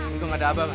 untung ada abang